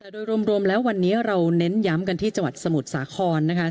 แต่โดยรวมแล้ววันนี้เราเน้นย้ำกันที่จังหวัดสมุทรสาครนะคะ